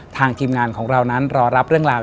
ทีมงานของเรานั้นรอรับเรื่องราว